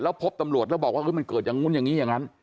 แล้วพบตำรวจแล้วบอกว่ามันเกิดอย่างนู้นอย่างนี้อย่างนั้น